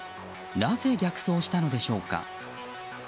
なぜ逆走したのでしょうか。